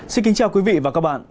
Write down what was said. xin kính chào quý vị và các bạn